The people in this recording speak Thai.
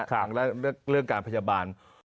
และเรื่องการพยาบาล